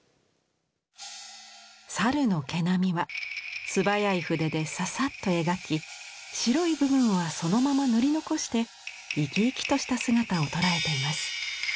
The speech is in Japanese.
猿の毛並みは素早い筆でササッと描き白い部分はそのまま塗り残して生き生きとした姿を捉えています。